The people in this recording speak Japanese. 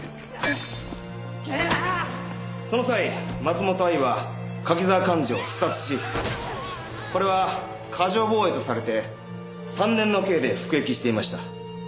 その際松本藍は柿沢寛二を刺殺しこれは過剰防衛とされて３年の刑で服役していました。